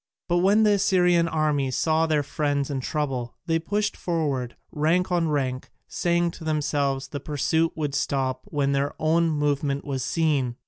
But when the Assyrian army saw their friends in trouble they pushed forward, rank on rank, saying to themselves the pursuit would stop when their own movement was seen.